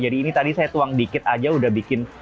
jadi ini tadi saya tuang dikit aja udah bikin